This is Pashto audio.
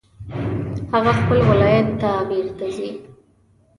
هغه خپل ولایت ته بیرته ځي